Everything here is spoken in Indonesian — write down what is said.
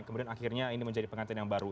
kemudian akhirnya ini menjadi pengantin yang baru